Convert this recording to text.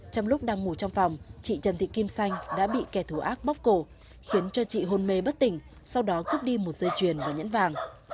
trong lúc đang ngủ trong phòng chị trần thị kim xanh đã bị kẻ thù ác bóc cổ khiến cho chị hôn mê bất tỉnh sau đó cướp đi một dây chuyền và nhẫn vàng